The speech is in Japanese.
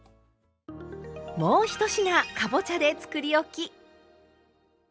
もう１品かぼちゃでつくりおき！